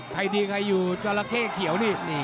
ใครดีใครอยู่จราเข้เขียวนี่